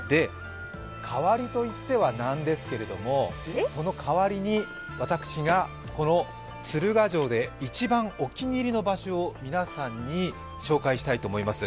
代わりといってはなんですけれども、その代わりに私がこの鶴ヶ城で一番お気に入りの場所を皆さんに紹介したいと思います。